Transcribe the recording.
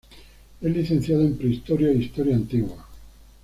Es licenciado en Prehistoria e Historia Antigua.